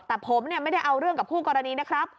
แต่ผมไม่ได้เอาเรื่องกับคู่กรณีนะครับ